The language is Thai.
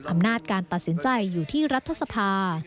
อำนาจการตัดสินใจอยู่ที่รัฐสภา